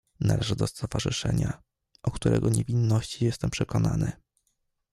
"Należę do stowarzyszenia, o którego niewinności jestem przekonany."